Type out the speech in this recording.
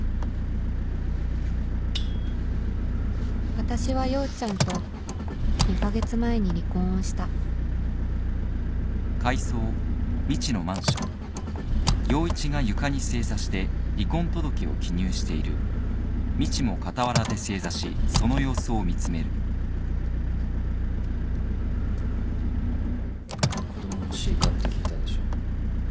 私は陽ちゃんと２カ月前に離婚をした前に子供欲しいかって聞いたでしょ？